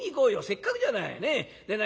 せっかくじゃない。ね？